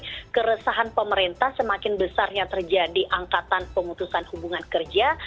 jadi keresahan pemerintah semakin besar yang terjadi angkatan pemutusan hubungan kerja